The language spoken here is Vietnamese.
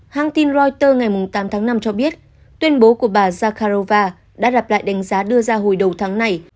hãng tin reuters ngày tám tháng năm cho biết tuyên bố của bà zakharova đã lập lại đánh giá đưa ra hồi đầu tháng này